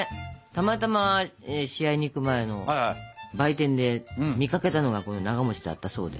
たまたま試合に行く前の売店で見かけたのがこのながだったそうで。